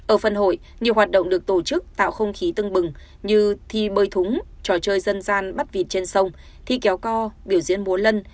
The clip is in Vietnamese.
ở phần hội nhiều hoạt động được tổ chức tạo không khí tưng bừng như thi bơi thúng trò chơi dân gian bắt vịt trên sông thi kéo co biểu diễn múa lân